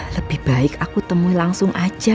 lebih baik aku temui langsung aja